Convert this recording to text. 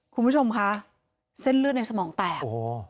คุณผู้ชมคะเส้นเลือดในสมองแตก